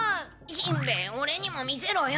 しんべヱオレにも見せろよ。